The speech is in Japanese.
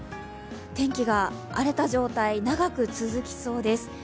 天気が荒れた状態、長く続きそうです。